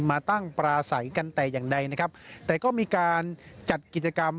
มาตั้งปราศัยกันแต่อย่างใดนะครับแต่ก็มีการจัดกิจกรรม